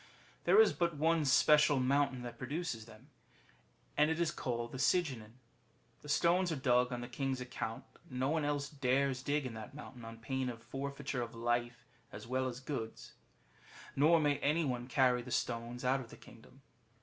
There is but one special mountain that produces them, and it is called Syghinan. The stones are dug on the king's account, and no one else dares dig in that mountain on pain of forfeiture of life as well as goods ; nor may any one carry the stones out of the kingdom.